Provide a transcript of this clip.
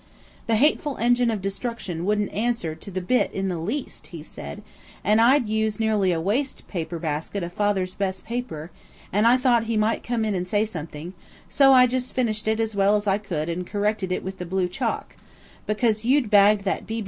"The hateful engine of destruction wouldn't answer to the bit in the least," he said, "and I'd used nearly a waste paper basket of Father's best paper, and I thought he might come in and say something, so I just finished it as well as I could and I corrected it with the blue chalk–because you'd bagged that B.B.